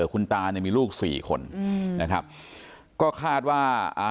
คุณตาเนี่ยมีลูกสี่คนอืมนะครับก็คาดว่าอ่า